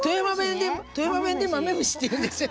富山弁で「マメムシ」って言うんですよ。